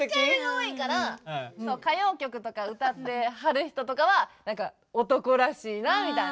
歌謡曲とか歌ってはる人とかは何か男らしいなみたいな。